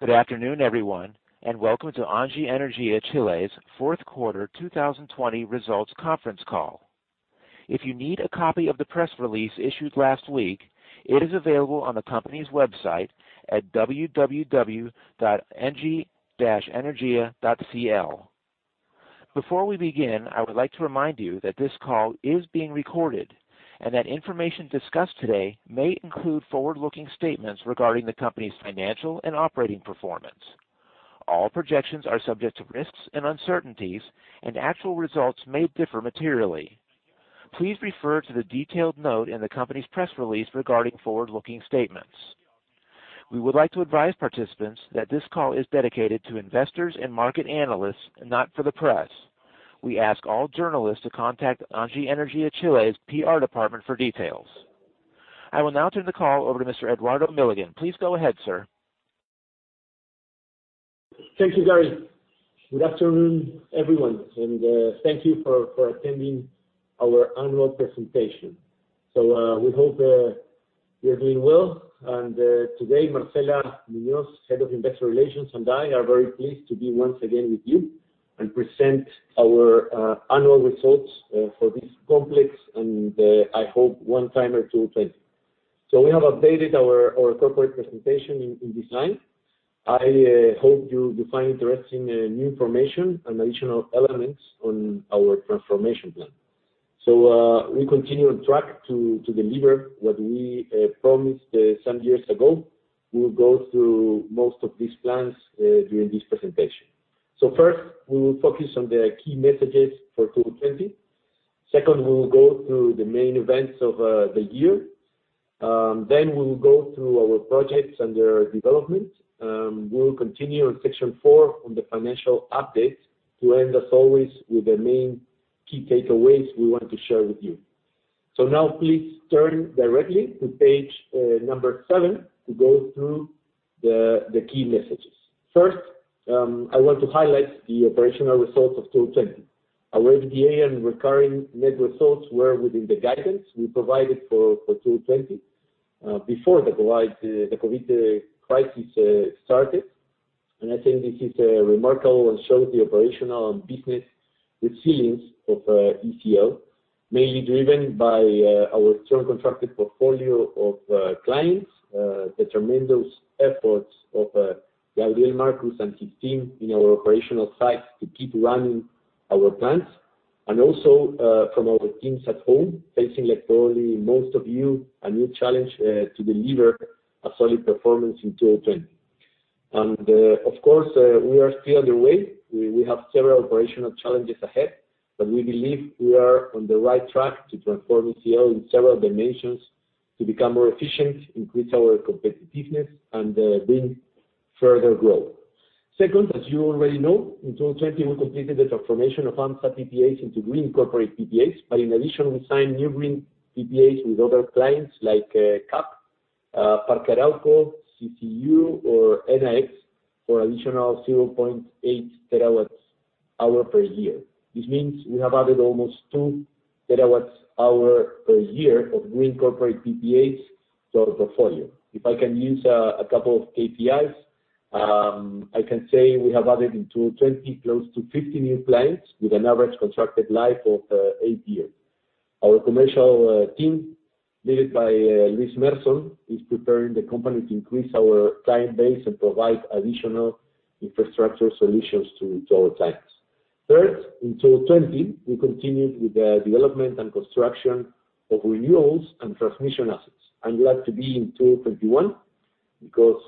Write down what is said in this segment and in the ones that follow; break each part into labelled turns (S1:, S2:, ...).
S1: Good afternoon, everyone, and welcome to Engie Energia Chile's fourth quarter 2020 results conference call. If you need a copy of the press release issued last week, it is available on the company's website at www.engie-energia.cl. Before we begin, I would like to remind you that this call is being recorded and that information discussed today may include forward-looking statements regarding the company's financial and operating performance. All projections are subject to risks and uncertainties, and actual results may differ materially. Please refer to the detailed note in the company's press release regarding forward-looking statements. We would like to advise participants that this call is dedicated to investors and market analysts, not for the press. We ask all journalists to contact Engie Energia Chile's PR department for details. I will now turn the call over to Mr. Eduardo Milligan. Please go ahead, sir.
S2: Thank you, Gary. Good afternoon, everyone, and thank you for attending our annual presentation. We hope you're doing well. Today, Marcela Muñoz, head of investor relations, and I are very pleased to be once again with you and present our annual results for this complex, and I hope one-timer, 2020. We have updated our corporate presentation in design. I hope you find interesting new information and additional elements on our transformation plan. We continue on track to deliver what we promised some years ago. We will go through most of these plans during this presentation. First, we will focus on the key messages for 2020. Second, we will go through the main events of the year. We will go through our projects under development. We will continue in section four on the financial updates to end, as always, with the main key takeaways we want to share with you. Now please turn directly to page number seven to go through the key messages. First, I want to highlight the operational results of 2020. Our EBITDA and recurring net results were within the guidance we provided for 2020, before the COVID crisis started. I think this is remarkable and shows the operational and business resilience of ECL, mainly driven by our strong contracted portfolio of clients, the tremendous efforts of Gabriel Marcuz and his team in our operational sites to keep running our plants, and also from our teams at home, facing, like probably most of you, a new challenge to deliver a solid performance in 2020. Of course, we are still on the way. We have several operational challenges ahead. We believe we are on the right track to transform ECL in several dimensions to become more efficient, increase our competitiveness, and bring further growth. Second, as you already know, in 2020, we completed the transformation of AMSA PPAs into green corporate PPAs. In addition, we signed new green PPAs with other clients like CAP, Parque Arauco, CCU, or NX for additional 0.8 TWh per year. This means we have added almost 2 TWh per year of green corporate PPAs to our portfolio. If I can use a couple of KPIs, I can say we have added in 2020 close to 50 new clients with an average contracted life of eight years. Our commercial team, led by Luis Meersohn, is preparing the company to increase our client base and provide additional infrastructure solutions to our clients. In 2020, we continued with the development and construction of renewables and transmission assets. I'm glad to be in 2021, because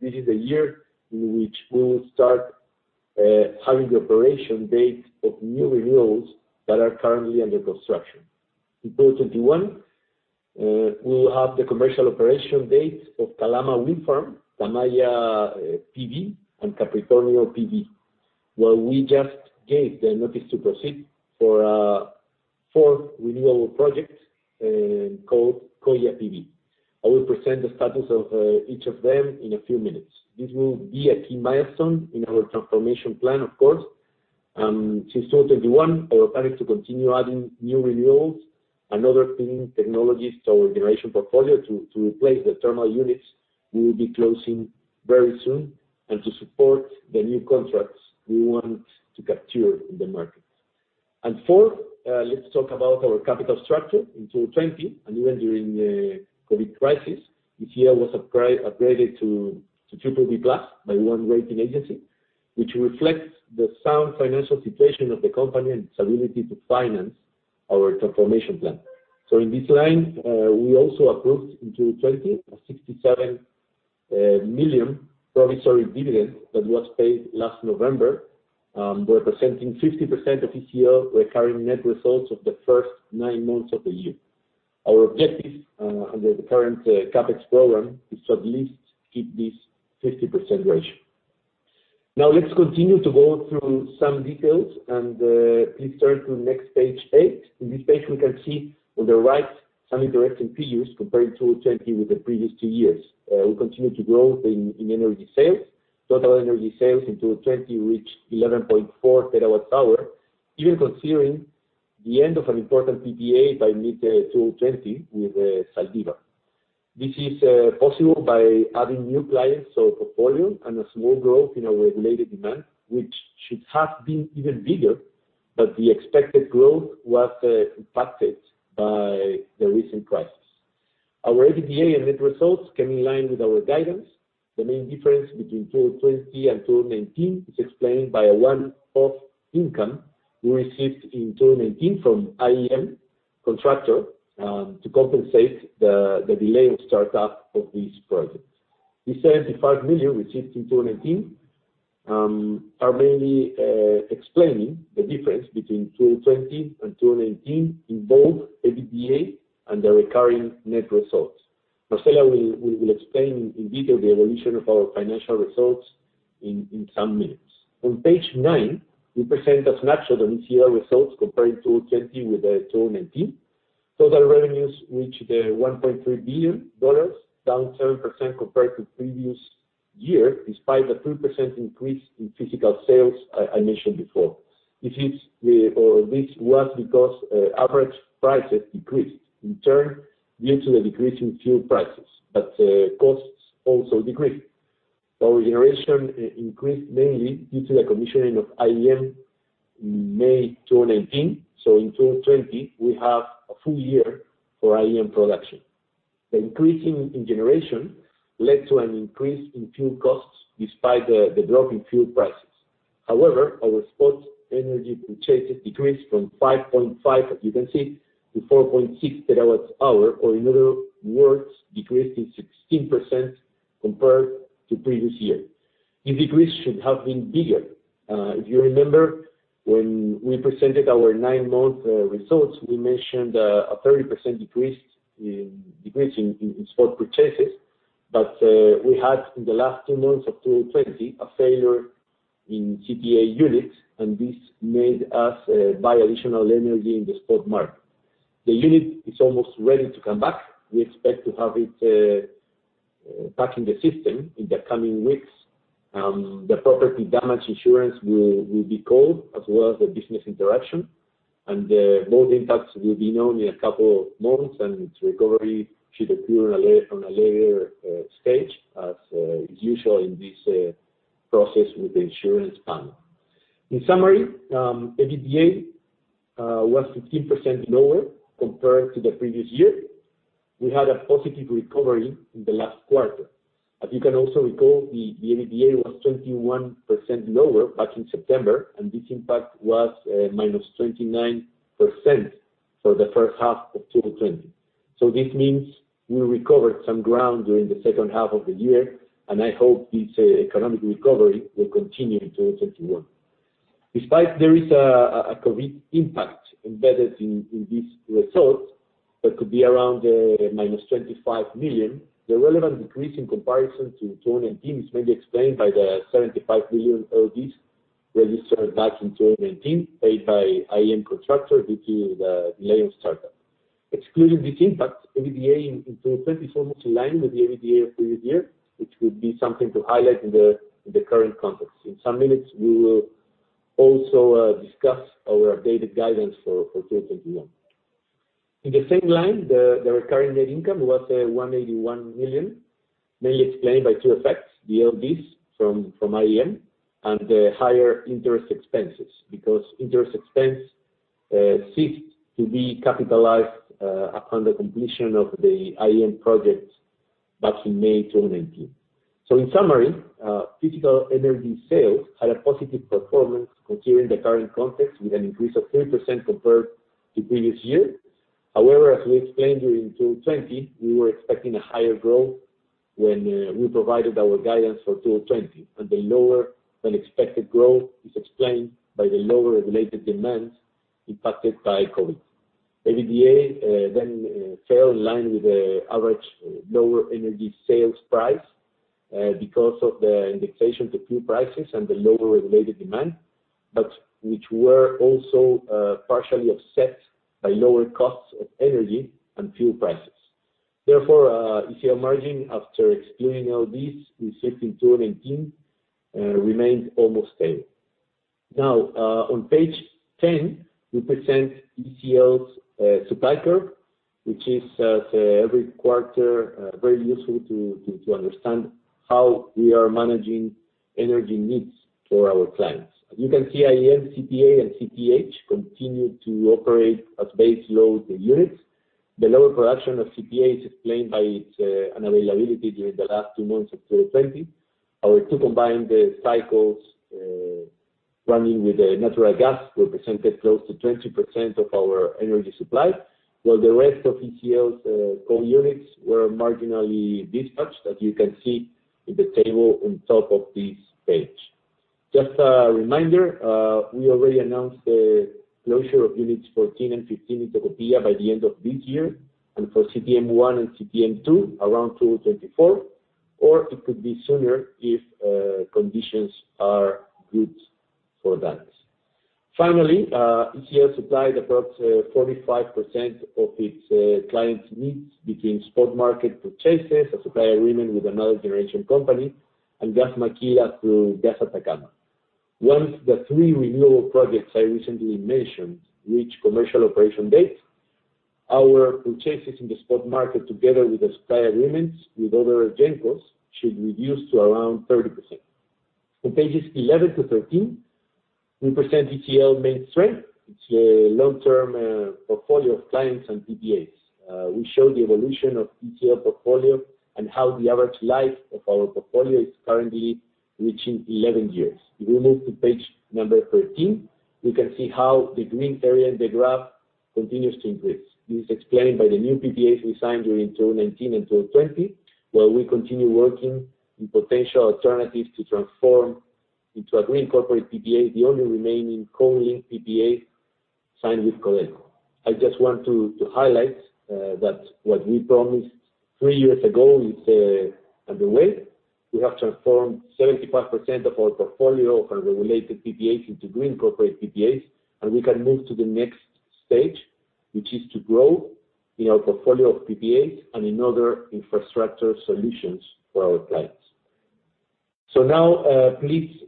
S2: this is the year in which we will start having the operation date of new renewables that are currently under construction. In 2021, we will have the commercial operation date of Calama Wind Farm, Tamaya PV, and Capricornio PV, where we just gave the notice to proceed for our fourth renewable project called Coya PV. I will present the status of each of them in a few minutes. This will be a key milestone in our transformation plan, of course. To 2021, our plan is to continue adding new renewables and other clean technologies to our generation portfolio to replace the thermal units we will be closing very soon and to support the new contracts we want to capture in the market. Fourth, let's talk about our capital structure. In 2020, even during the COVID crisis, ECL was upgraded to BBB+ by one rating agency, which reflects the sound financial situation of the company and its ability to finance our transformation plan. In this line, we also approved in 2020 a $67 million promissory dividend that was paid last November, representing 50% of ECL recurring net results of the first nine months of the year. Our objective under the current CapEx program is to at least keep this 50% ratio. Let's continue to go through some details, please turn to next page, eight. In this page, we can see on the right some interesting figures comparing 2020 with the previous two years. We continued to grow in energy sales. Total energy sales in 2020 reached 11.4 TWh even considering the end of an important PPA by mid-2020 with Zaldívar. This is possible by adding new clients to our portfolio and a small growth in our regulated demand, which should have been even bigger, but the expected growth was impacted by the recent crisis. Our EBITDA and net results came in line with our guidance. The main difference between 2020 and 2019 is explained by a one-off income we received in 2019 from IEM contractor to compensate the delay of startup of this project. The $75 million received in 2019 are mainly explaining the difference between 2020 and 2019 in both EBITDA and the recurring net results. Marcela will explain in detail the evolution of our financial results in some minutes. On page nine, we present a snapshot of ECL results comparing 2020 with 2019. Total revenues reached $1.3 billion, down 7% compared to previous year, despite the 3% increase in physical sales I mentioned before. Costs also decreased. Our generation increased mainly due to the commissioning of IEM in May 2019. In 2020, we have a full year for IEM production. The increase in generation led to an increase in fuel costs despite the drop in fuel prices. Our spot energy purchases decreased from 5.5, as you can see, to 4.6 TWh, or in other words, decreased to 16% compared to previous year. The decrease should have been bigger. If you remember, when we presented our nine month results, we mentioned a 30% decrease in spot purchases. We had, in the last two months of 2020, a failure in CPA units. This made us buy additional energy in the spot market. The unit is almost ready to come back. We expect to have it back in the system in the coming weeks. The property damage insurance will be called, as well as the business interruption. Both impacts will be known in a couple of months. Its recovery should occur on a later stage as usual in this process with the insurance plan. In summary, EBITDA was 15% lower compared to the previous year. We had a positive recovery in the last quarter. As you can also recall, the EBITDA was 21% lower back in September. This impact was -29% for the first half of 2020. This means we recovered some ground during the second half of the year, and I hope this economic recovery will continue in 2021. Despite there is a COVID impact embedded in these results, that could be around the -$25 million, the relevant decrease in comparison to 2019 is mainly explained by the $75 million LDs registered back in 2019, paid by IEM contractor due to the delay of startup. Excluding this impact, EBITDA in 2020 is almost in line with the EBITDA of previous year, which would be something to highlight in the current context. In some minutes, we will also discuss our updated guidance for 2021. In the same line, the recurring net income was $181 million, mainly explained by two effects: the LDs from IEM and the higher interest expenses, because interest expense ceased to be capitalized upon the completion of the IEM project back in May 2019. In summary, physical energy sales had a positive performance considering the current context, with an increase of 30% compared to previous year. However, as we explained during 2020, we were expecting a higher growth when we provided our guidance for 2020. The lower than expected growth is explained by the lower regulated demand impacted by COVID. EBITDA fell in line with the average lower energy sales price because of the indexation to fuel prices and the lower regulated demand, which were also partially offset by lower costs of energy and fuel prices. ECL margin, after excluding O&Ds received in 2019, remained almost stable. On page 10, we present ECL's supply curve, which is every quarter very useful to understand how we are managing energy needs for our clients. As you can see, IEM, CPA, and CPH continue to operate as base load units. The lower production of CPA is explained by its unavailability during the last two months of 2020. Our two combined cycles running with natural gas represented close to 20% of our energy supply, while the rest of ECL's core units were marginally dispatched, as you can see in the table on top of this page. Just a reminder, we already announced the closure of units 14 and 15 in Tocopilla by the end of this year, and for CPM 1 and CPM 2, around 2024, or it could be sooner if conditions are good for that. Finally, ECL supplied about 45% of its clients' needs between spot market purchases, a supply agreement with another generation company and Gas Maquila through Gas Atacama. Once the three renewable projects I recently mentioned reach commercial operation date, our purchases in the spot market, together with the supply agreements with other gencos, should reduce to around 30%. On pages 11-13, we present ECL main strength, which is a long-term portfolio of clients and PPAs. We show the evolution of ECL portfolio and how the average life of our portfolio is currently reaching 11 years. If we move to page number 13, we can see how the green area in the graph continues to increase. This is explained by the new PPAs we signed during 2019 and 2020, while we continue working in potential alternatives to transform into a green corporate PPA, the only remaining coal-indexed PPA signed with Colbún. I just want to highlight that what we promised three years ago is underway. We have transformed 75% of our portfolio from regulated PPAs into green corporate PPAs, and we can move to the next stage, which is to grow in our portfolio of PPAs and in other infrastructure solutions for our clients. Now, please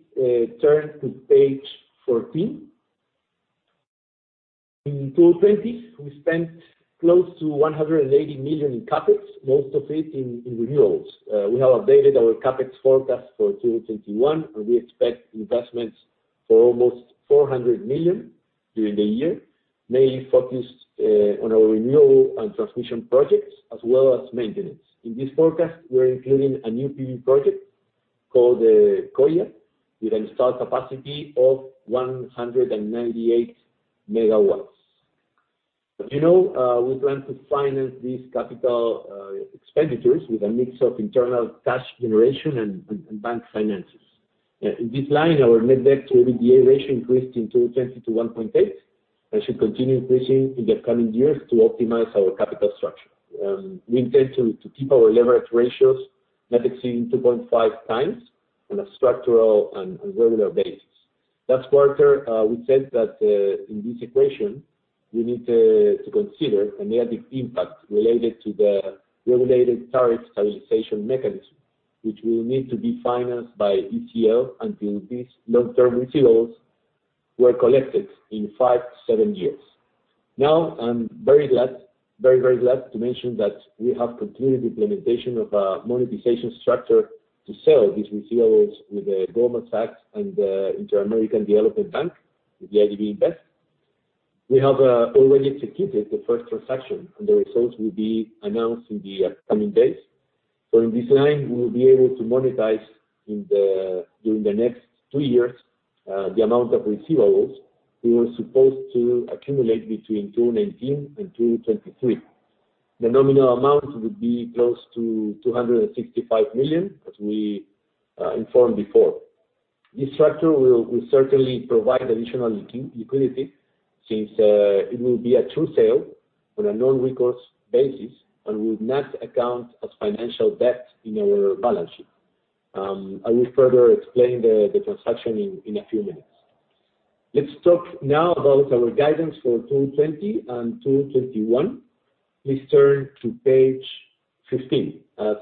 S2: turn to page 14. In 2020, we spent close to $180 million in CapEx, most of it in renewables. We have updated our CapEx forecast for 2021, and we expect investments for almost $400 million during the year, mainly focused on our renewable and transmission projects, as well as maintenance. In this forecast, we're including a new PV project called Colla, with an install capacity of 198 MW. As you know, we plan to finance these capital expenditures with a mix of internal cash generation and bank finances. In this line, our net debt-to-EBITDA ratio increased in 2020 to 1.8, and should continue increasing in the coming years to optimize our capital structure. We intend to keep our leverage ratios not exceeding 2.5x on a structural and regular basis. Last quarter, we said that in this equation, we need to consider a negative impact related to the regulated Tariff Stabilization mechanism, which will need to be financed by ECL until these long-term receivables were collected in 5-7 years. Now, I'm very glad, very glad to mention that we have concluded the implementation of a monetization structure to sell these receivables with Goldman Sachs and the Inter-American Development Bank, with the IDB Invest. We have already executed the first transaction, and the results will be announced in the coming days. In this line, we will be able to monetize during the next two years the amount of receivables we were supposed to accumulate between 2019 and 2023. The nominal amount would be close to $265 million, as we informed before. This structure will certainly provide additional liquidity, since it will be a true sale on a non-recourse basis and will not account as financial debt in our balance sheet. I will further explain the transaction in a few minutes. Let's talk now about our guidance for 2020 and 2021. Please turn to page 15. As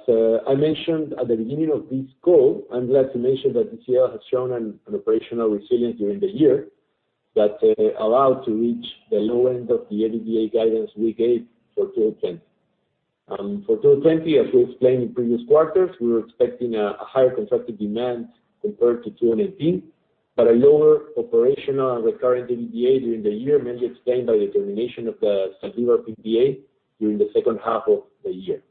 S2: I mentioned at the beginning of this call, I'm glad to mention that ECL has shown an operational resilience during the year that allowed to reach the low end of the EBITDA guidance we gave for 2020. For 2020, as we explained in previous quarters, we were expecting a higher contracted demand compared to 2019, but a lower operational and recurring EBITDA during the year, mainly explained by the termination of the Sangue PPA during the second half of the year.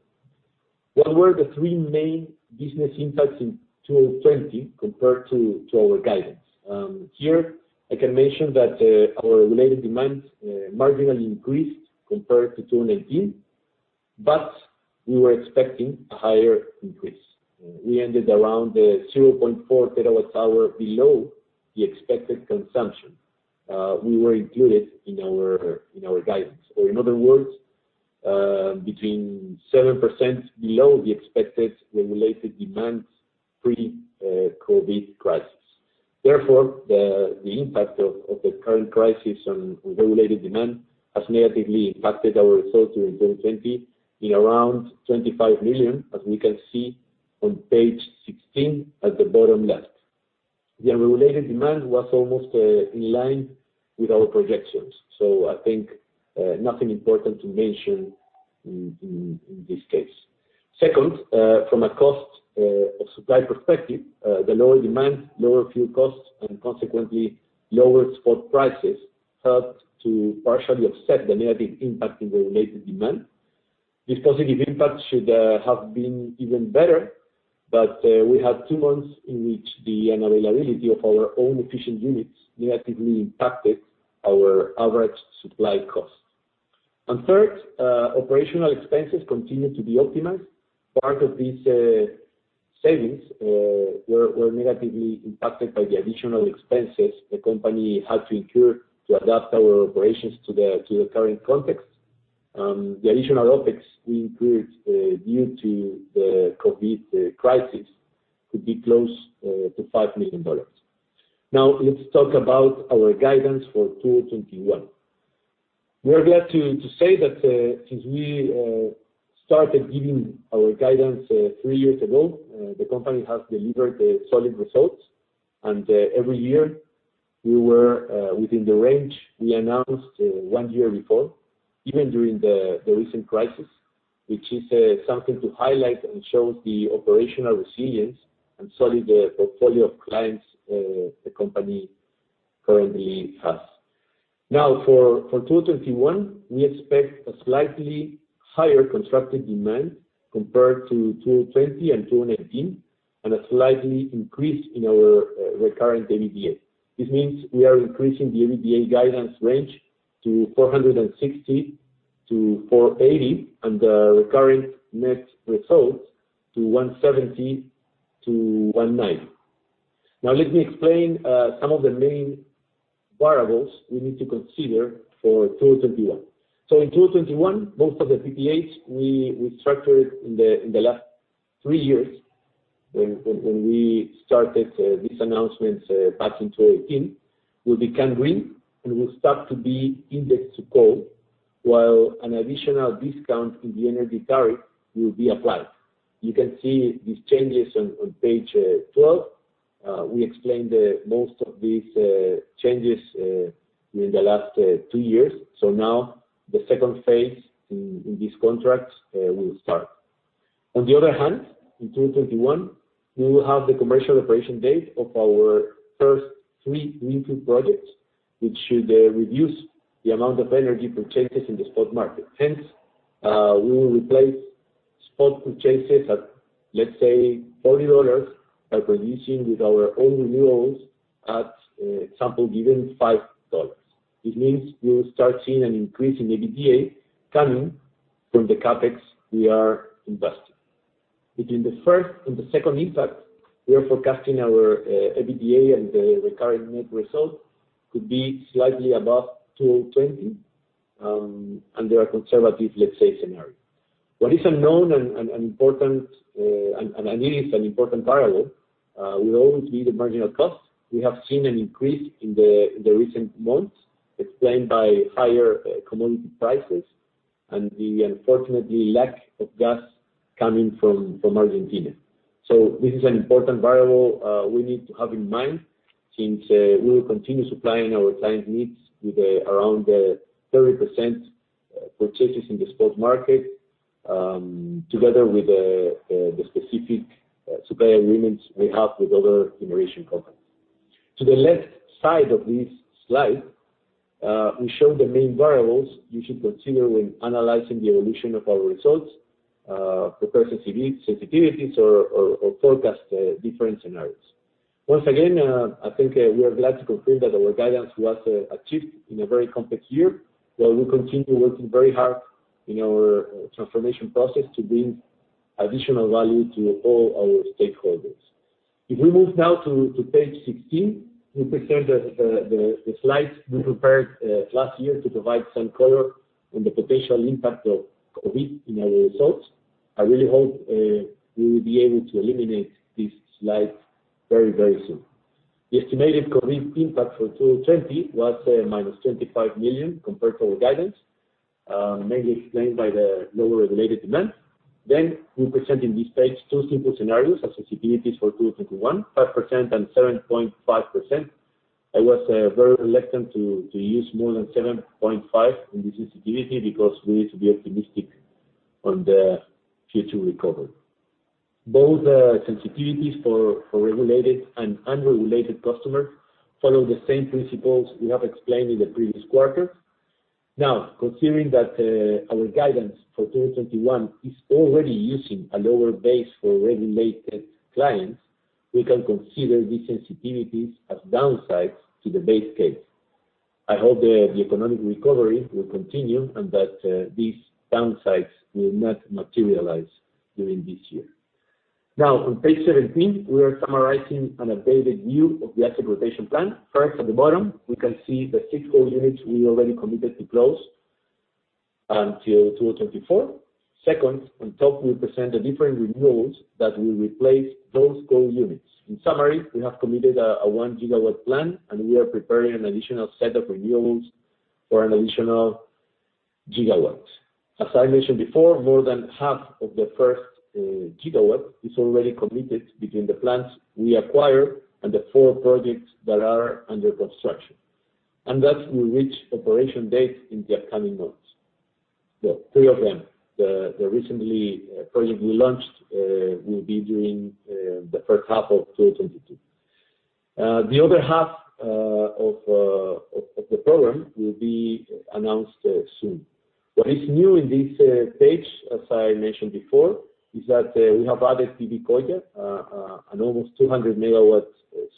S2: What were the three main business impacts in 2020 compared to our guidance? Here, I can mention that our regulated demands marginally increased compared to 2019, but we were expecting a higher increase. We ended around 0.4 terawatt hour below the expected consumption we were included in our guidance. In other words, between 7% below the expected regulated demands pre-COVID crisis. Therefore, the impact of the current crisis on regulated demand has negatively impacted our results during 2020 in around $25 million, as we can see on page 16 at the bottom left. The unregulated demand was almost in line with our projections, I think nothing important to mention in this case. Second, from a cost of supply perspective, the lower demand, lower fuel costs, and consequently, lower spot prices helped to partially offset the negative impact in the regulated demand. This positive impact should have been even better, but we had two months in which the unavailability of our own efficient units negatively impacted our average supply cost. Third, operational expenses continued to be optimized. Part of these savings were negatively impacted by the additional expenses the company had to incur to adapt our operations to the current context. The additional OPEX we incurred due to the COVID crisis could be close to $5 million. Now, let's talk about our guidance for 2021. We are glad to say that since we started giving our guidance three years ago, the company has delivered solid results. Every year, we were within the range we announced one year before, even during the recent crisis, which is something to highlight and shows the operational resilience and solid portfolio of clients the company currently has. Now, for 2021, we expect a slightly higher contracted demand compared to 2020 and 2019, and a slight increase in our recurrent EBITDA. This means we are increasing the EBITDA guidance range to 460-480, and the recurring net results to 170-190. Now, let me explain some of the main variables we need to consider for 2021. In 2021, most of the PPAs we structured in the last three years, when we started these announcements back in 2018, will become green and will start to be indexed to coal, while an additional discount in the energy tariff will be applied. You can see these changes on page 12. We explained most of these changes during the last two years. Now, the second phase in these contracts will start. On the other hand, in 2021, we will have the commercial operation date of our first three renewable projects, which should reduce the amount of energy purchases in the spot market. Hence, we will replace spot purchases at, let's say, $40, by producing with our own renewables at, example given, $5. This means we will start seeing an increase in EBITDA coming from the CapEx we are investing. Between the first and the second impact, we are forecasting our EBITDA and the recurring net result to be slightly above 2020, under a conservative, let's say, scenario. What is unknown and, I believe, an important variable, will always be the marginal cost. We have seen an increase in the recent months, explained by higher commodity prices and the, unfortunately, lack of gas coming from Argentina. This is an important variable we need to have in mind, since we will continue supplying our clients' needs with around 30% purchases in the spot market, together with the specific supply agreements we have with other generation companies. To the left side of this slide, we show the main variables you should consider when analyzing the evolution of our results, prepare sensitivities, or forecast different scenarios. Once again, I think we are glad to confirm that our guidance was achieved in a very complex year, while we continue working very hard in our transformation process to bring additional value to all our stakeholders. If we move now to page 16, we present the slides we prepared last year to provide some color on the potential impact of COVID in our results. I really hope we will be able to eliminate this slide very soon. The estimated COVID impact for 2020 was -$25 million compared to our guidance, mainly explained by the lower regulated demand. We present in this page two simple scenarios as sensitivities for 2021, 5% and 7.5%. I was very reluctant to use more than 7.5% in this sensitivity because we need to be optimistic on the future recovery. Both sensitivities for regulated and unregulated customers follow the same principles we have explained in the previous quarter. Now, considering that our guidance for 2021 is already using a lower base for regulated clients, we can consider these sensitivities as downsides to the base case. I hope the economic recovery will continue and that these downsides will not materialize during this year. Now, on page 17, we are summarizing an updated view of the asset rotation plan. First, at the bottom, we can see the six coal units we already committed to close until 2024. Second, on top, we present the different renewals that will replace those coal units. In summary, we have committed a one-gigawatt plan, and we are preparing an additional set of renewals for an additional gigawatt. As I mentioned before, more than half of the first gigawatt is already committed between the plants we acquired and the four projects that are under construction, and that will reach operation date in the upcoming months. Well, three of them. The recent project we launched will be during the first half of 2022. The other half of the program will be announced soon. What is new in this page, as I mentioned before, is that we have added PV Colla, an almost 200-megawatt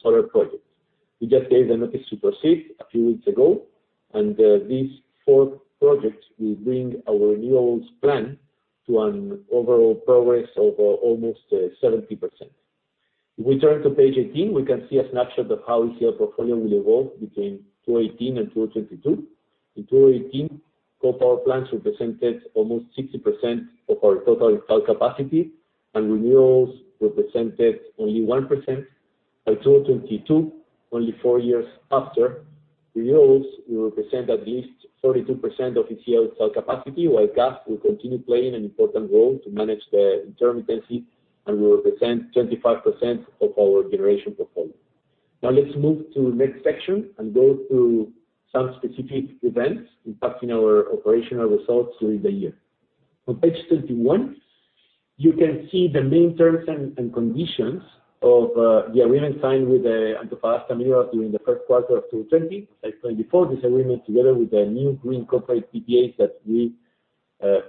S2: solar project. We just gave the notice to proceed a few weeks ago, and these four projects will bring our renewals plan to an overall progress of almost 70%. If we turn to page 18, we can see a snapshot of how we see our portfolio will evolve between 2018 and 2022. In 2018, coal power plants represented almost 60% of our total installed capacity, and renewables represented only 1%. By 2022, only four years after, renewables will represent at least 32% of Engie's installed capacity, while gas will continue playing an important role to manage the intermittency and will represent 25% of our generation portfolio. Now let's move to the next section and go through some specific events impacting our operational results during the year. On page 21, you can see the main terms and conditions of the agreement signed with Antofagasta Minerals during the first quarter of 2020. As I explained before, this agreement, together with the new green corporate PPAs that we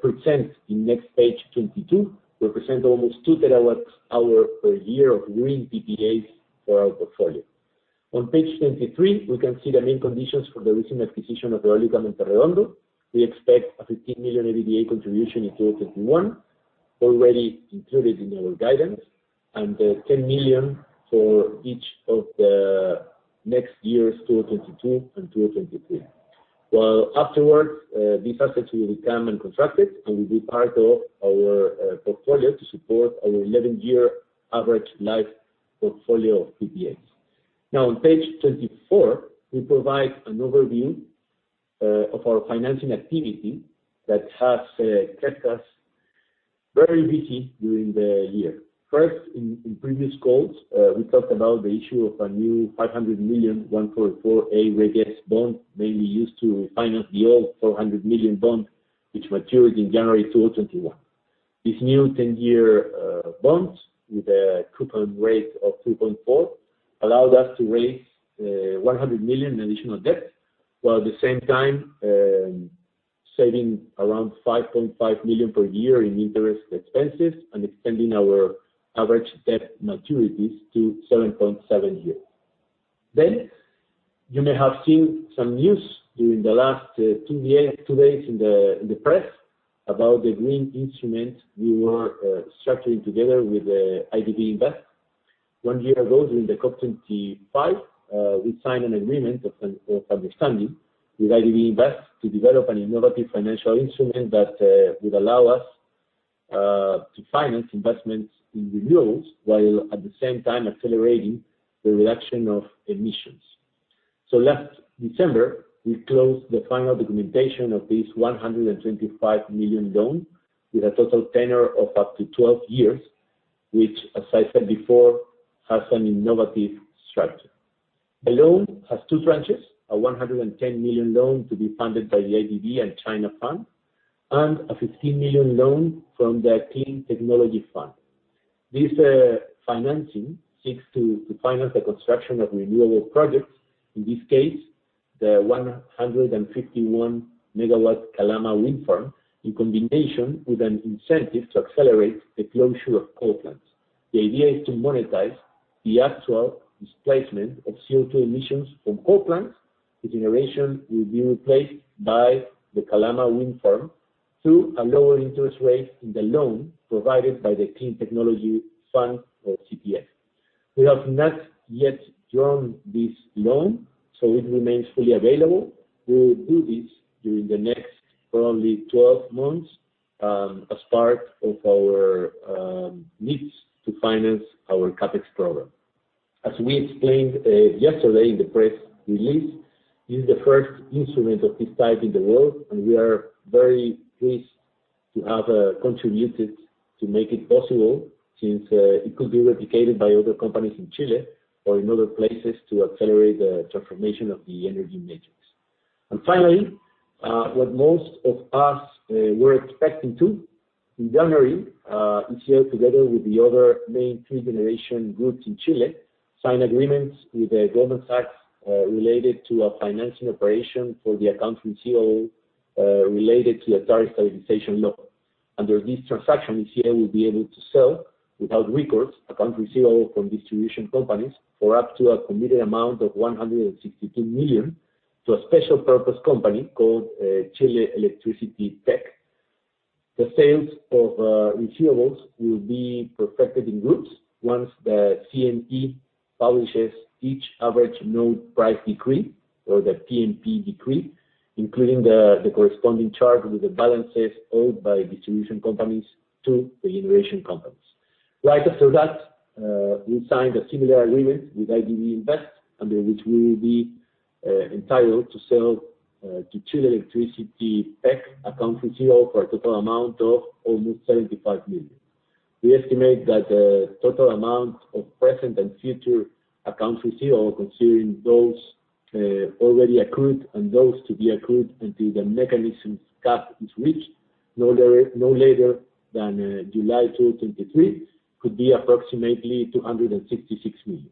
S2: present in next page 22, represent almost two terawatt hours per year of green PPAs for our portfolio. On page 23, we can see the main conditions for the recent acquisition of Eólica Monte Redondo. We expect a $15 million EBITDA contribution in 2021, already included in our guidance, and $10 million for each of the next years, 2022 and 2023. Afterwards, this asset will become and contracted and will be part of our portfolio to support our 11-year average life portfolio of PPAs. On page 24, we provide an overview of our financing activity that has kept us very busy during the year. In previous calls, we talked about the issue of a new $500 million 144A Reg S bond, mainly used to finance the old $400 million bond, which matures in January 2021. This new 10-year bond, with a coupon rate of 2.4, allowed us to raise $100 million in additional debt, while at the same time, saving around $5.5 million per year in interest expenses and extending our average debt maturities to 7.7 years. You may have seen some news during the last two days in the press about the green instrument we were structuring together with IDB Invest. One year ago, during the COP25, we signed an agreement of understanding with IDB Invest to develop an innovative financial instrument that would allow us to finance investments in renewables, while at the same time accelerating the reduction of emissions. Last December, we closed the final documentation of this $125 million loan, with a total tenure of up to 12 years, which, as I said before, has an innovative structure. The loan has two tranches, a $110 million loan to be funded by the IDB and China Fund, and a $15 million loan from the Clean Technology Fund. This financing seeks to finance the construction of renewable projects, in this case, the 151-megawatt Calama Wind Farm, in combination with an incentive to accelerate the closure of coal plants. The idea is to monetize the actual displacement of CO2 emissions from coal plants, whose generation will be replaced by the Calama Wind Farm, through a lower interest rate in the loan provided by the Clean Technology Fund or CTF. We have not yet drawn this loan, so it remains fully available. We will do this during the next probably 12 months, as part of our needs to finance our CapEx program. As we explained yesterday in the press release, this is the first instrument of this type in the world, and we are very pleased to have contributed to make it possible, since it could be replicated by other companies in Chile or in other places to accelerate the transformation of the energy matrix. Finally, what most of us were expecting too, in January, Enel, together with the other main three generation groups in Chile, signed agreements with the government side related to a financing operation for the account receivable related to the Tariff Stabilization Law. Under this transaction, Enel will be able to sell without recourse account receivable from distribution companies for up to a committed amount of $162 million to a special purpose company called Chile Electricity PEC. The sales of receivables will be perfected in groups once the CNE publishes each average node price decree, or the PNP decree, including the corresponding charge with the balances owed by distribution companies to the generation companies. Right after that, we signed a similar agreement with IDB Invest, under which we will be entitled to sell to Chile Electricity PEC account receivable for a total amount of almost $75 million. We estimate that the total amount of present and future accounts receivable, considering those already accrued and those to be accrued until the mechanism's cap is reached, no later than July 2023, could be approximately $266 million.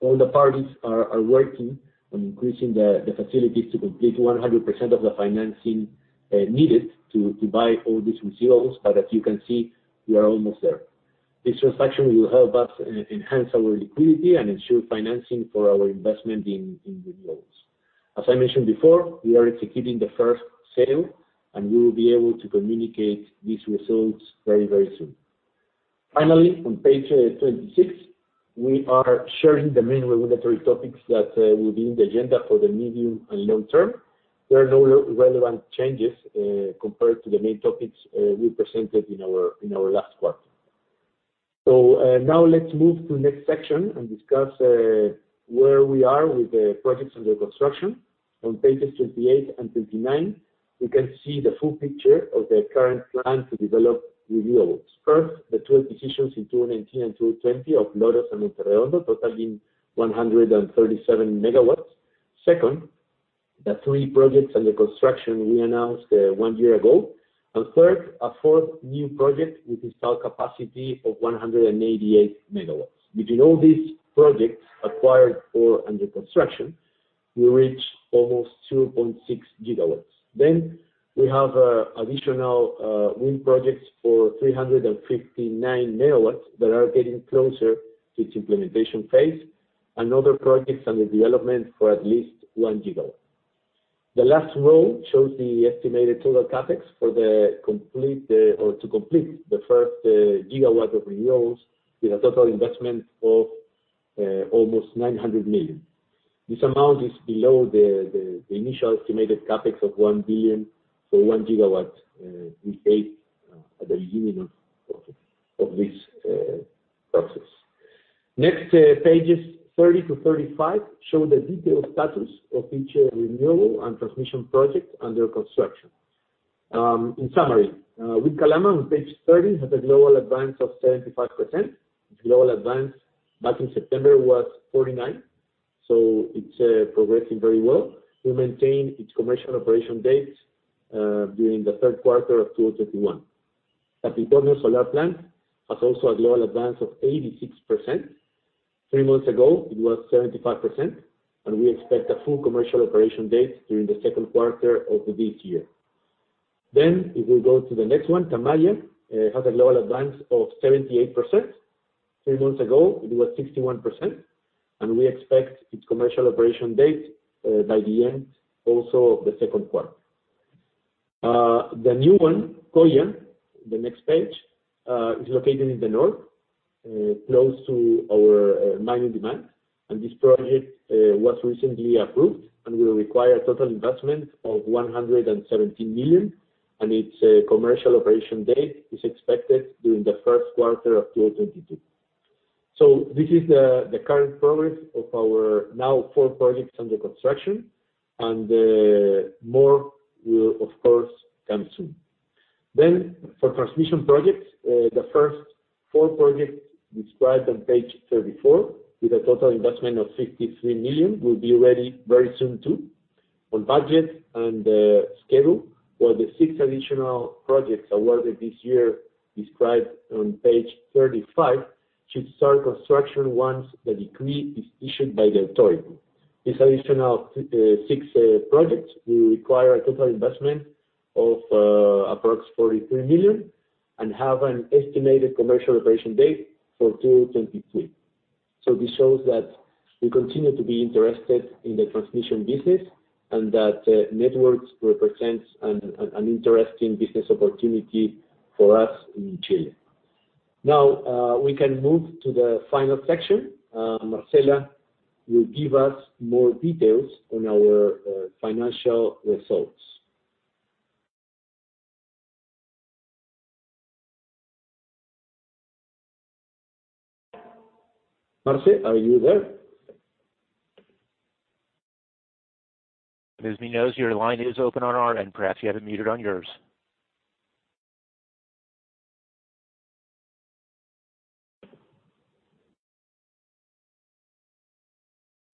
S2: All the parties are working on increasing the facilities to complete 100% of the financing needed to buy all these receivables, but as you can see, we are almost there. This transaction will help us enhance our liquidity and ensure financing for our investment in renewables. As I mentioned before, we are executing the first sale, we will be able to communicate these results very, very soon. Finally, on page 26, we are sharing the main regulatory topics that will be in the agenda for the medium and long term. There are no relevant changes compared to the main topics we presented in our last quarter. Now let's move to next section and discuss where we are with the projects under construction. On pages 28 and 29, you can see the full picture of the current plan to develop renewables. First, the 12 decisions in 2019 and 2020 of Los Loros and Monte Redondo, totaling 137 MW. Second, the three projects under construction we announced one year ago. Third, a fourth new project with installed capacity of 188 MW. Between all these projects acquired or under construction, we reach almost 2.6 GW. We have additional wind projects for 359 MW that are getting closer to its implementation phase, and other projects under development for at least one gigawatt. The last row shows the estimated total CapEx to complete the first gigawatt of renewables, with a total investment of almost $900 million. This amount is below the initial estimated CapEx of $1 billion for 1 GW we gave at the beginning of this process. Pages 30 to 35 show the detailed status of each renewable and transmission project under construction. In summary, with Calama on page 30 has a global advance of 75%. Its global advance back in September was 49%, it's progressing very well. We maintain its commercial operation date during the third quarter of 2021. Capricornio solar plant has also a global advance of 86%. Three months ago it was 75%. We expect a full commercial operation date during the second quarter of this year. If we go to the next one, Tamaya, has a global advance of 78%. Three months ago it was 61%. We expect its commercial operation date by the end, also, of the second quarter. The new one, Coya, the next page, is located in the north, close to our mining demand. This project was recently approved and will require a total investment of $117 million, and its commercial operation date is expected during the first quarter of 2022. This is the current progress of our now four projects under construction, and more will, of course, come soon. For transmission projects, the first four projects described on page 34, with a total investment of $53 million, will be ready very soon too, on budget and schedule, while the six additional projects awarded this year described on page 35 should start construction once the decree is issued by the authority. These additional six projects will require a total investment of approximately $43 million, and have an estimated commercial operation date for 2023. This shows that we continue to be interested in the transmission business and that networks represent an interesting business opportunity for us in Chile. We can move to the final section. Marcela will give us more details on our financial results. Marcela, are you there?
S1: As you know, your line is open on our end. Perhaps you have it muted on yours.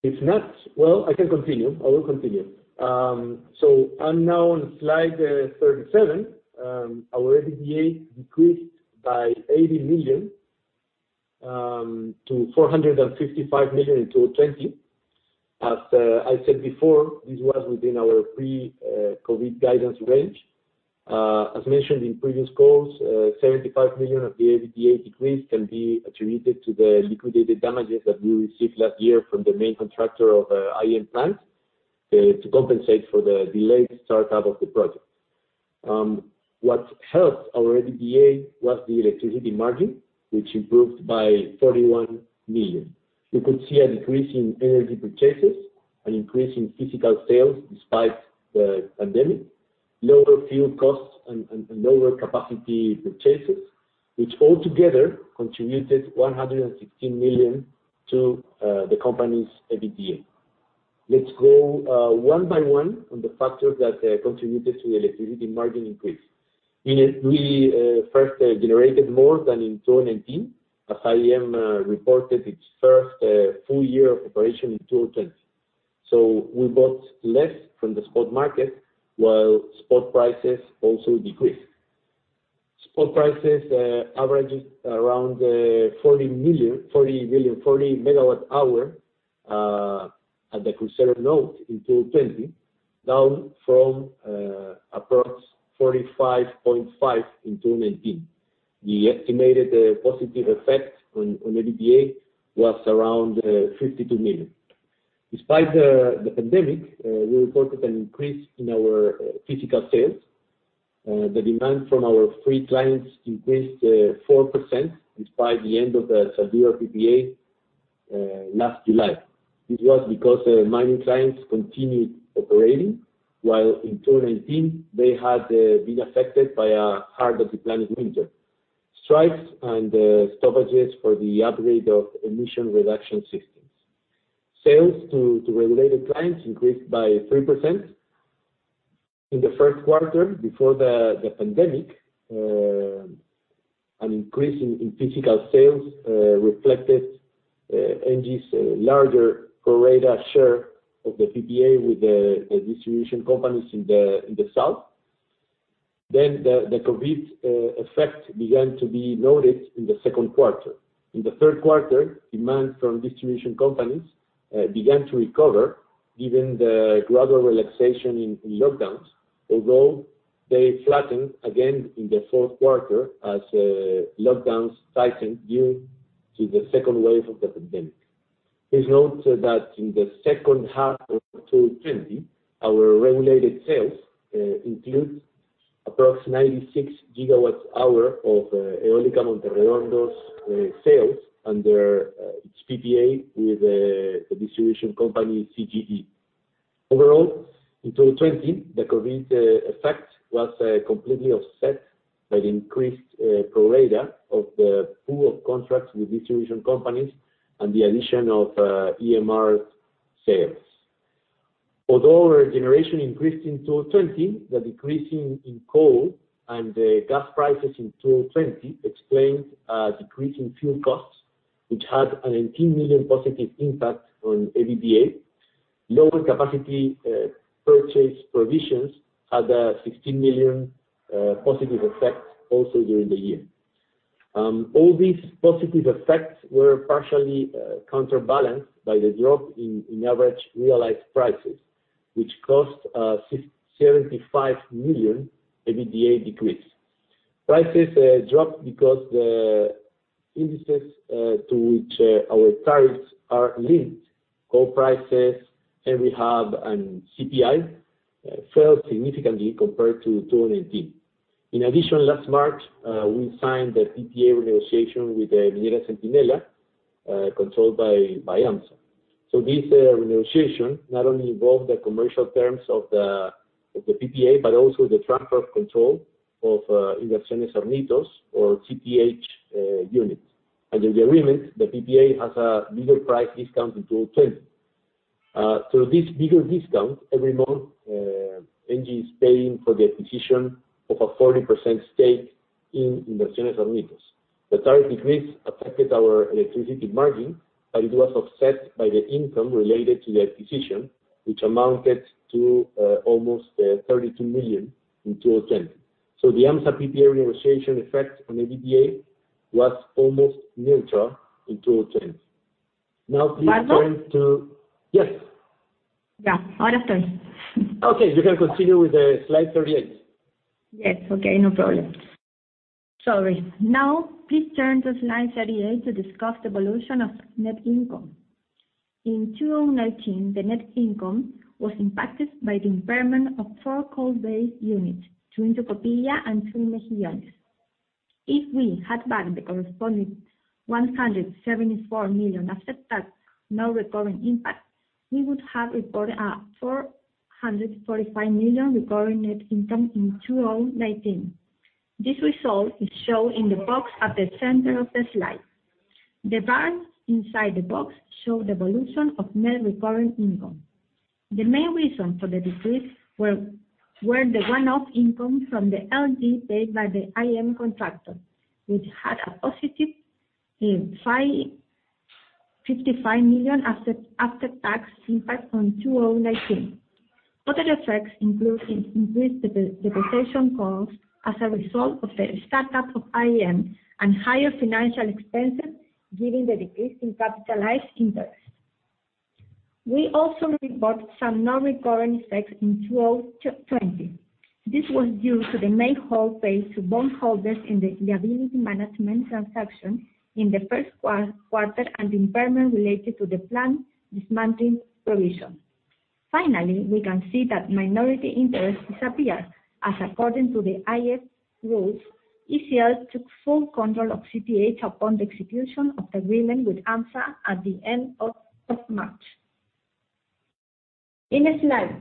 S2: If not, well, I can continue. I will continue. I'm now on slide 37. Our EBITDA decreased by $80 million, to $455 million in 2020. As I said before, this was within our pre-COVID guidance range. As mentioned in previous calls, $75 million of the EBITDA decrease can be attributed to the liquidated damages that we received last year from the main contractor of IEM, to compensate for the delayed startup of the project. What helped our EBITDA was the electricity margin, which improved by $31 million. You could see a decrease in energy purchases, an increase in physical sales despite the pandemic, lower fuel costs and lower capacity purchases, which all together contributed $116 million to the company's EBITDA. Let's go one by one on the factors that contributed to the electricity margin increase. We first generated more than in 2019. IEM reported its first full year of operation in 2020. We bought less from the spot market, while spot prices also decreased. Spot prices averages around 40 MWh at the Crucero node in 2020, down from approx 45.5 in 2019. The estimated positive effect on EBITDA was around $52 million. Despite the pandemic, we reported an increase in our physical sales. The demand from our free clients increased 4% despite the end of the Zaldívar PPA last July. This was because mining clients continued operating, while in 2019, they had been affected by a hard Antarctic winter, strikes, and stoppages for the upgrade of emission reduction systems. Sales to regulated clients increased by 3%. In the first quarter, before the pandemic, an increase in physical sales reflected Engie's larger pro-rata share of the PPA with the distribution companies in the south. The COVID effect began to be noticed in the second quarter. In the third quarter, demand from distribution companies began to recover, given the gradual relaxation in lockdowns, although they flattened again in the fourth quarter as lockdowns tightened due to the second wave of the pandemic. Please note that in the second half of 2020, our regulated sales include approximately 6 gigawatts hour of Eólica Monte Redondo's sales under its PPA with the distribution company CGE. Overall, in 2020, the COVID effect was completely offset by the increased pro-rata of the pool of contracts with distribution companies and the addition of EMR sales. Although our generation increased in 2020, the decrease in coal and gas prices in 2020 explains a decrease in fuel costs, which had an $18 million positive impact on EBITDA. Lower capacity purchase provisions had a $16 million positive effect also during the year. All these positive effects were partially counterbalanced by the drop in average realized prices, which cost a $75 million EBITDA decrease. Prices dropped because the indices to which our tariffs are linked, coal prices, Henry Hub, and CPI, fell significantly compared to 2019. Last March, we signed the PPA negotiation with Minera Centinela, controlled by AMSA. This negotiation not only involved the commercial terms of the PPA, but also the transfer of control of Inversiones Hornitos, or CPH units. Under the agreement, the PPA has a bigger price discount in 2020. Through this bigger discount, every month, Engie is paying for the acquisition of a 40% stake in Inversiones Hornitos. The tariff decrease affected our electricity margin, but it was offset by the income related to the acquisition, which amounted to almost $32 million in 2020. The AMSA PPA renegotiation effect on EBITDA was almost neutral in 2020.
S3: Marco?
S2: Yes.
S3: Yeah.
S2: Okay, you can continue with the slide 38.
S3: Please turn to slide 38 to discuss the evolution of net income. In 2019, the net income was impacted by the impairment of four coal-based units, two in Tocopilla and two in Mejillones. If we had backed the corresponding $174 million after-tax non-recurring impact, we would have reported a $445 million recurring net income in 2019. This result is shown in the box at the center of the slide. The bars inside the box show the evolution of net recurring income. The main reason for the decrease were the one-off income from the LDs paid by the IEM contractor, which had a positive in $55 million after-tax impact on 2019. Other effects include increased depreciation costs as a result of the start-up of IEM and higher financial expenses, given the decrease in capitalized interest. We also report some non-recurring effects in 2020. This was due to the main hold paid to bondholders in the liability management transaction in the first quarter and impairment related to the planned dismantling provision. Finally, we can see that minority interest disappeared, as according to the IFRS rules, ECL took full control of CPH upon the execution of the agreement with AMSA at the end of March. In slide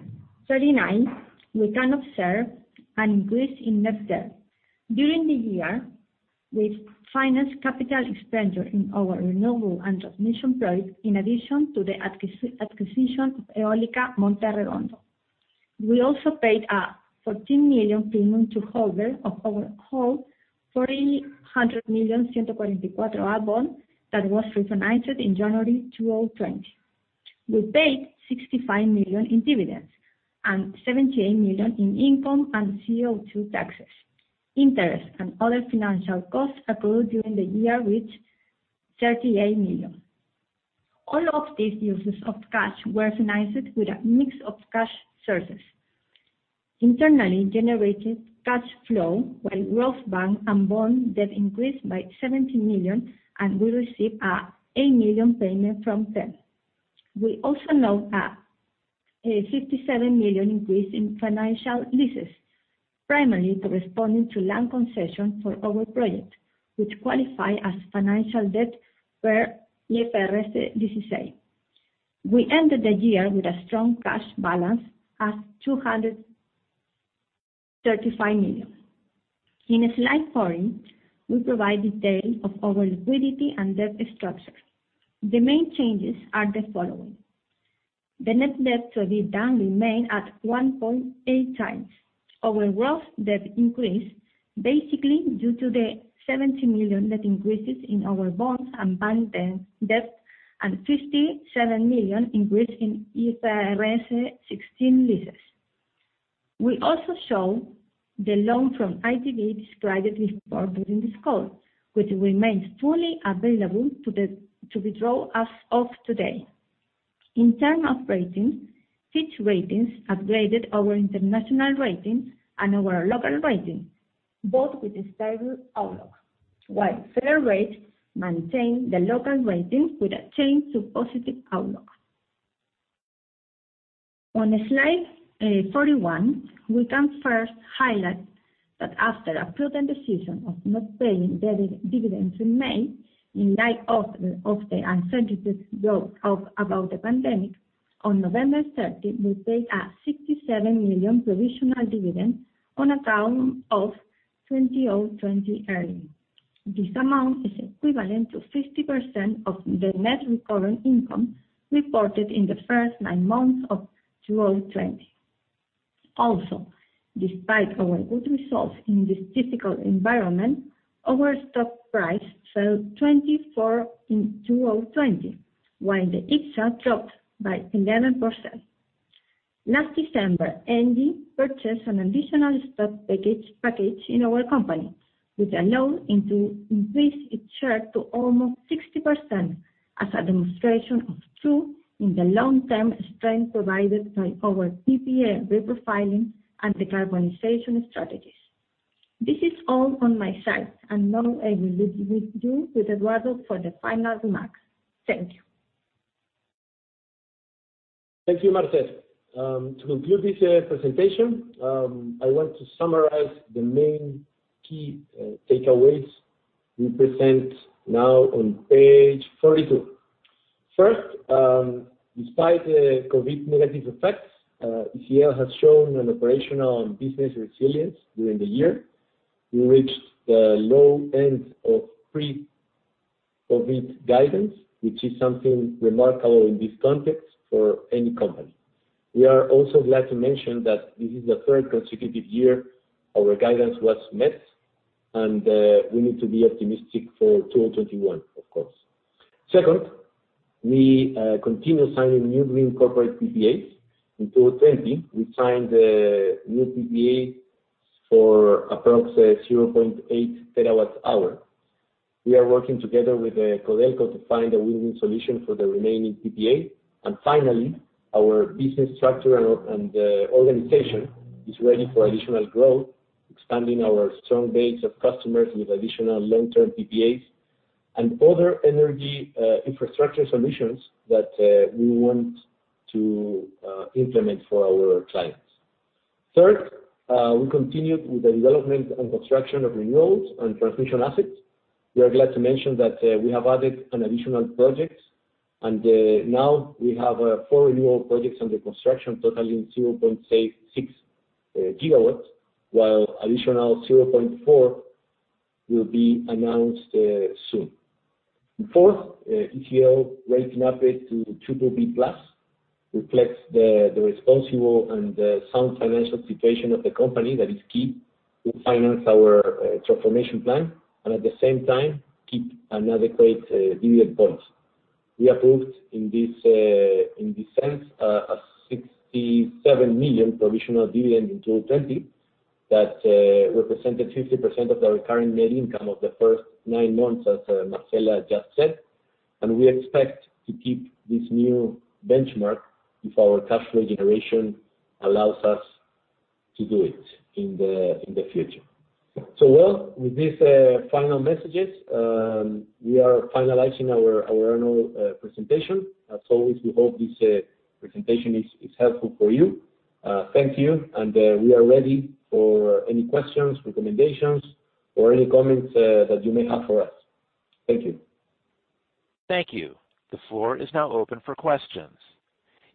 S3: 39, we can observe an increase in net debt. During the year, we financed capital expenditure in our renewable and transmission projects, in addition to the acquisition of Eólica Monte Redondo. We also paid a $14 million premium to holders of our whole $400 million 144A bond that was refinanced in January 2020. We paid $65 million in dividends and $78 million in income and CO2 taxes. Interest and other financial costs accrued during the year reached $38 million. All of these uses of cash were financed with a mix of cash sources. Internally generated cash flow while gross bank and bond debt increased by $17 million, and we received an $8 million payment from TERS. We also note a $57 million increase in financial leases, primarily corresponding to land concession for our project, which qualify as financial debt per IFRS 16. We ended the year with a strong cash balance at $235 million. In slide 40, we provide details of our liquidity and debt structure. The main changes are the following. The net debt to EBITDA remained at 1.8 times. Our gross debt increased basically due to the $70 million net increases in our bonds and bank debt and $57 million increase in IFRS 16 leases. We also show the loan from IDB described in more during this call, which remains fully available to withdraw as of today. In terms of ratings, Fitch Ratings upgraded our international ratings and our local ratings, both with a stable outlook, while S&P maintained the local ratings with a change to positive outlook. On slide 41, we can first highlight that after a prudent decision of not paying dividends in May, in light of the uncertainties brought about the pandemic, on November 30, we paid a $67 million provisional dividend on account of 2020 earnings. This amount is equivalent to 50% of the net recurrent income reported in the first nine months of 2020. Also, despite our good results in this difficult environment, our stock price fell 24% in 2020, while the IPSA dropped by 11%. Last December, Engie purchased an additional stock package in our company, which allowed it to increase its share to almost 60% as a demonstration of trust in the long-term strength provided by our PPA reprofiling and decarbonization strategies. This is all on my side, and now I will leave you with Eduardo for the final remarks. Thank you.
S2: Thank you, Marcela. To conclude this presentation, I want to summarize the main key takeaways we present now on page 42. First, despite the COVID negative effects, ECL has shown an operational and business resilience during the year. We reached the low end of pre-COVID guidance, which is something remarkable in this context for any company. We are also glad to mention that this is the third consecutive year our guidance was met, and we need to be optimistic for 2021, of course. Second, we continue signing new green corporate PPAs. In 2020, we signed new PPAs for approx 0.8 TWh. We are working together with CODELCO to find a winning solution for the remaining PPA. Finally, our business structure and organization is ready for additional growth, expanding our strong base of customers with additional long-term PPAs and other energy infrastructure solutions that we want to implement for our clients. Third, we continued with the development and construction of renewals and transmission assets. We are glad to mention that we have added an additional project, and now we have four renewal projects under construction totaling 0.6 GW, while additional 0.4 GW will be announced soon. Fourth, ECL rating upgrade to BBB+ reflects the responsible and sound financial situation of the company, that is key to finance our transformation plan and at the same time keep an adequate dividend policy. We approved in this sense, a $67 million provisional dividend in 2020 that represented 50% of the recurring net income of the first nine months, as Marcela just said. We expect to keep this new benchmark if our cash flow generation allows us to do it in the future. Well, with these final messages, we are finalizing our annual presentation. As always, we hope this presentation is helpful for you. Thank you, and we are ready for any questions, recommendations, or any comments that you may have for us. Thank you.
S1: Thank you. The floor is now open for questions.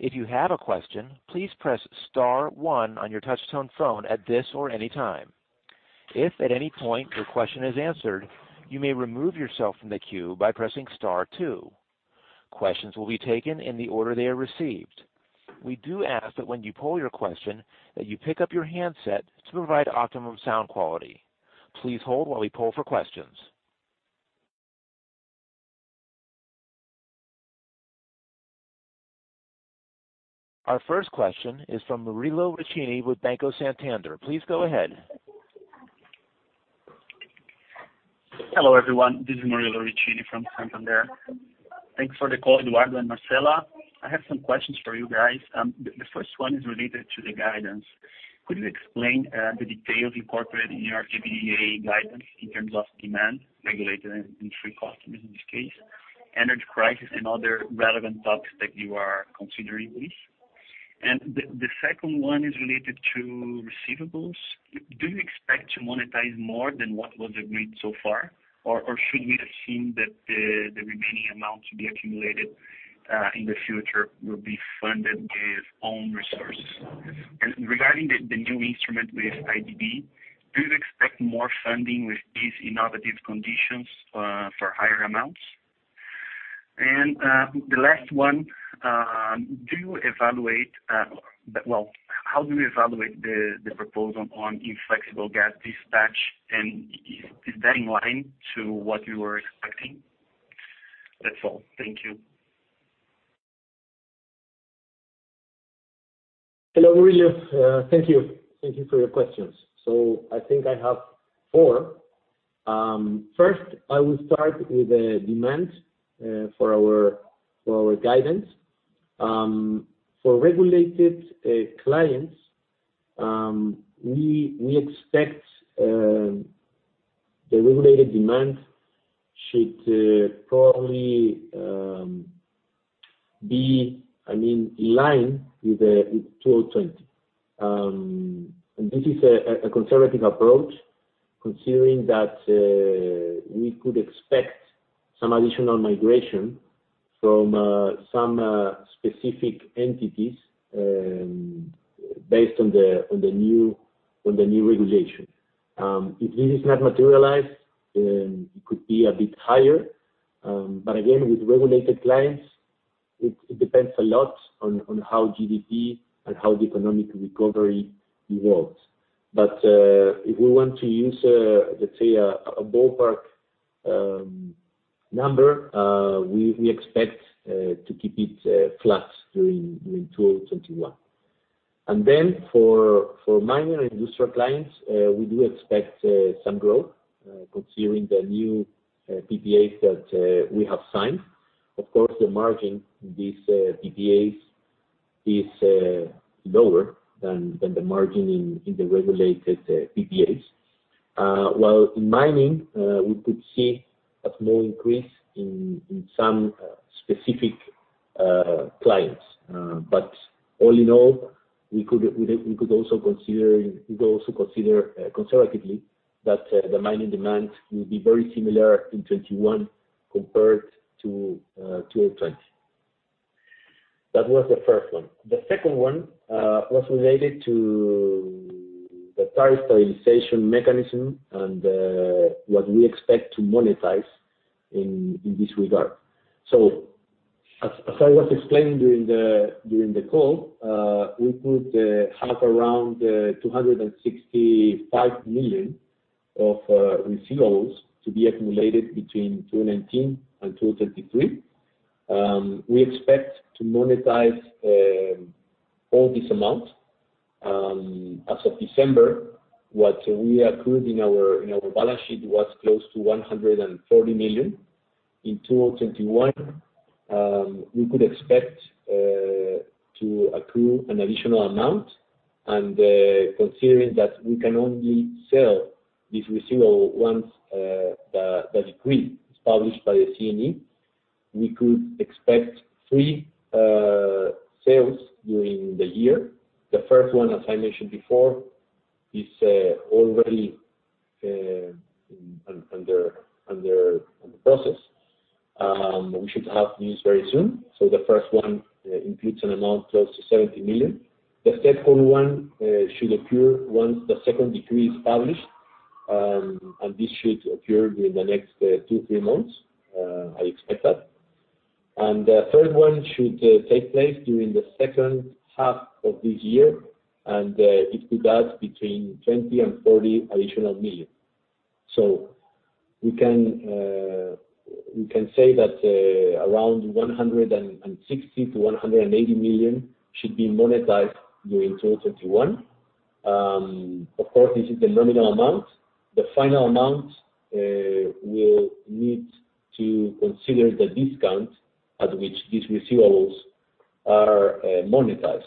S1: If you have a question, please press star one on your touch-tone phone at this or any time. If at any point your question is answered, you may remove yourself from the queue by pressing star two. Questions will be taken in the order they are received. We do ask that when you pose your question, that you pick up your handset to provide optimum sound quality. Please hold while we poll for questions. Our first question is from Murilo Riccini with Banco Santander. Please go ahead.
S4: Hello, everyone. This is Murilo Riccini from Santander. Thanks for the call, Eduardo and Marcela. I have some questions for you guys. The first one is related to the guidance. Could you explain the details incorporated in your EBITDA guidance in terms of demand, regulated and free customers in this case, energy crisis and other relevant topics that you are considering, please? The second one is related to receivables. Do you expect to monetize more than what was agreed so far? Or should we assume that the remaining amount to be accumulated in the future will be funded with own resources? Regarding the new instrument with IDB, do you expect more funding with these innovative conditions for higher amounts? The last one, how do you evaluate the proposal on inflexible gas dispatch, and is that in line to what you were expecting? That's all. Thank you.
S2: Hello, Murilo. Thank you for your questions. I think I have four. First, I will start with the demand for our guidance. For regulated clients, we expect the regulated demand should probably be in line with 2020. This is a conservative approach, considering that we could expect some additional migration from some specific entities based on the new regulation. If this is not materialized, it could be a bit higher. Again, with regulated clients, it depends a lot on how GDP and how the economic recovery evolves. If we want to use, let's say, a ballpark number, we expect to keep it flat during 2021. For mining industrial clients, we do expect some growth, considering the new PPAs that we have signed. Of course, the margin in these PPAs is lower than the margin in the regulated PPAs. In mining, we could see a small increase in some specific clients. All in all, we could also consider conservatively that the mining demand will be very similar in 2021 compared to 2020. That was the first one. The second one was related to the tariff stabilization mechanism and what we expect to monetize in this regard. As I was explaining during the call, we could have around $265 million of receivables to be accumulated between 2019 and 2023. We expect to monetize all this amount. As of December, what we accrued in our balance sheet was close to $140 million. In 2021, we could expect to accrue an additional amount, and considering that we can only sell this receivable once the decree is published by the CNE, we could expect three sales during the year. The first one, as I mentioned before, is already under process. We should have news very soon. The first one includes an amount close to $70 million. The second one should occur once the second decree is published, and this should occur during the next two, three months, I expect that. The third one should take place during the second half of this year, and it could add between $20 million and $40 million additional. We can say that around $160 million-$180 million should be monetized during 2021. Of course, this is the nominal amount. The final amount will need to consider the discount at which these receivables are monetized.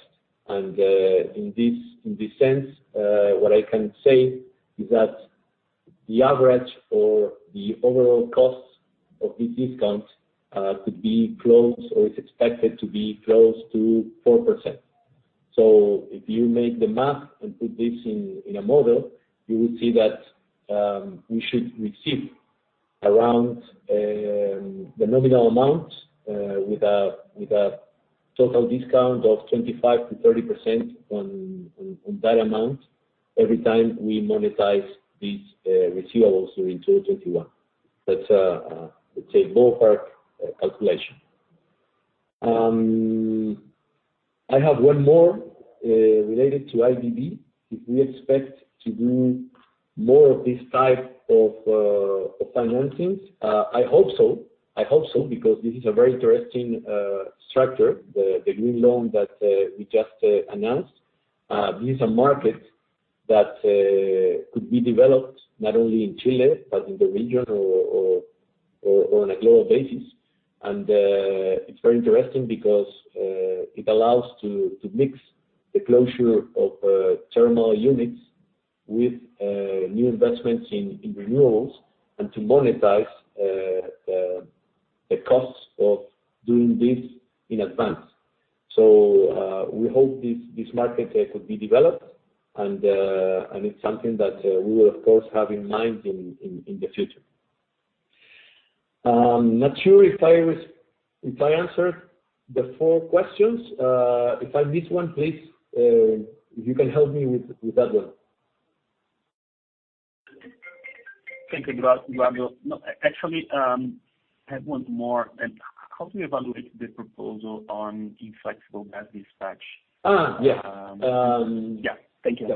S2: In this sense, what I can say is that the average or the overall cost of this discount could be close, or is expected to be close to 4%. If you make the math and put this in a model, you will see that we should receive around the nominal amount with a total discount of 25%-30% on that amount, every time we monetize these receivables during 2021. That's a ballpark calculation. I have one more related to IDB. If we expect to do more of this type of financings? I hope so, because this is a very interesting structure, the green loan that we just announced. This is a market that could be developed not only in Chile, but in the region or on a global basis. It's very interesting because it allows to mix the closure of thermal units with new investments in renewables and to monetize the costs of doing this in advance. We hope this market could be developed, and it's something that we will, of course, have in mind in the future. I'm not sure if I answered the four questions. If I missed one, please, if you can help me with that one.
S4: Thank you, Eduardo. No, actually, I have one more. How do you evaluate the proposal on the flexible gas dispatch?
S2: Yeah.
S4: Yeah. Thank you.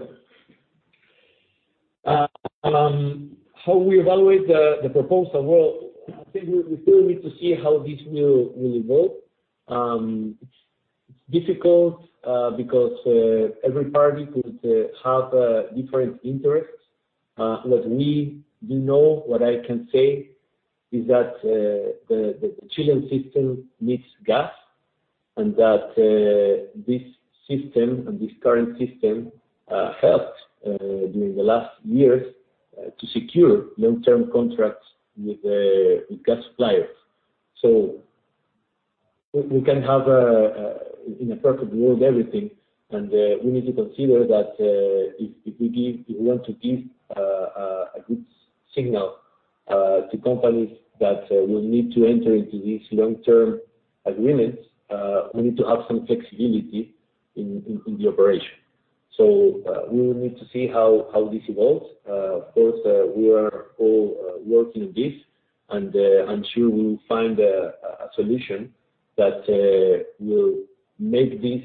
S2: How we evaluate the proposal? Well, I think we still need to see how this will evolve. It's difficult because every party could have different interests. What we do know, what I can say, is that the Chilean system needs gas, and that this system and this current system helped during the last years to secure long-term contracts with gas suppliers. We can have, in a perfect world, everything, and we need to consider that if we want to give a good signal to companies that will need to enter into these long-term agreements, we need to have some flexibility in the operation. We will need to see how this evolves. Of course, we are all working on this, and I'm sure we will find a solution that will make this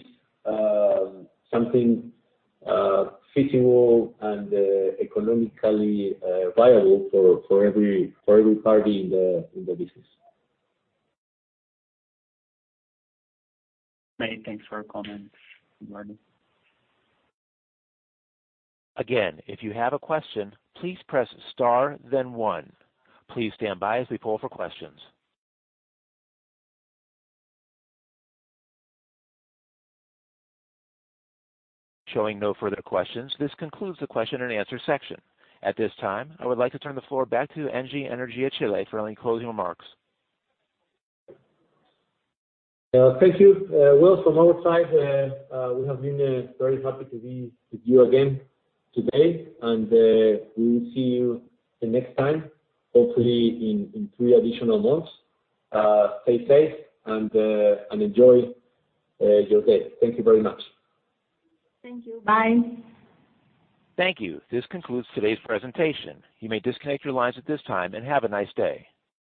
S2: something feasible and economically viable for every party in the business.
S4: Many thanks for your comments, Eduardo.
S1: Again, if you have a question, please press star then one. Please stand by as we poll for questions. Showing no further questions, this concludes the question and answer section. At this time, I would like to turn the floor back to Engie Energia Chile for any closing remarks.
S2: Thank you. Well, from our side, we have been very happy to be with you again today, and we will see you the next time, hopefully in three additional months. Stay safe and enjoy your day. Thank you very much.
S3: Thank you. Bye.
S1: Thank you. This concludes today's presentation. You may disconnect your lines at this time, and have a nice day.